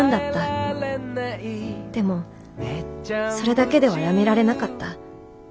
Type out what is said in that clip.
でもそれだけでは辞められなかった。